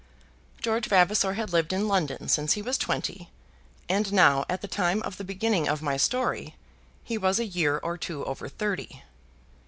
George Vavasor had lived in London since he was twenty, and now, at the time of the beginning of my story, he was a year or two over thirty.